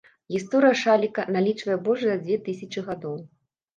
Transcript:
Гісторыя шаліка, налічвае больш за дзве тысячы гадоў.